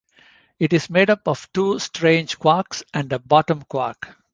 It is made up of two strange quarks and a bottom quark.